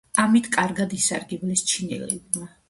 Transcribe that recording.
ამით კარგად ისარგებლეს ჩინელებმა.